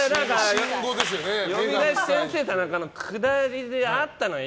「呼び出し先生タナカ」のくだりであったのよ。